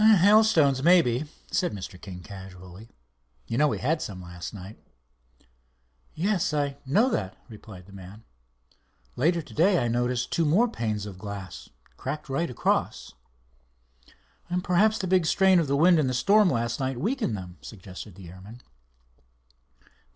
"Hailstone, maybe," said Mr. King, casually; "you know we had some last night." "Yes, I know that," replied the man. "Later to day I noticed two more panes of glass cracked right across." "Perhaps the big strain of the wind in the storm last night weakened them," suggested the airman.